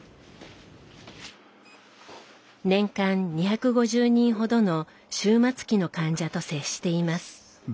年間２５０人ほどの終末期の患者と接しています。